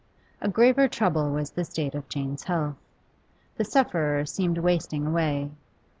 A graver trouble was the state of Jane's health; the sufferer seemed wasting away.